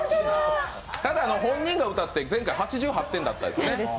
ただ、本人が歌って前回、８８点でした。